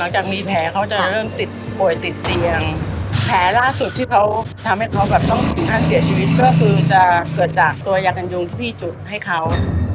จากมีแผลเขาจะเริ่มติดป่วยติดเตียงแผลล่าสุดที่เขาทำให้เขาแบบต้องถึงขั้นเสียชีวิตก็คือจะเกิดจากตัวยากันยุงที่พี่จุดให้เขา